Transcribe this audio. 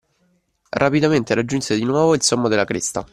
Rapidamente raggiunse di nuovo il sommo della cresta.